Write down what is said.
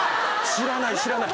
知らない知らない。